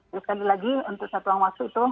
dan sekali lagi untuk satuang waktu itu